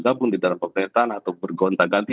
gabung di dalam pemerintahan atau bergonta ganti